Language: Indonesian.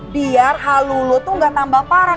biar hal lo tuh gak tambah parah